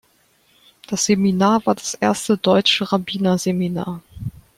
Das Seminar war das erste deutsche Rabbinerseminar.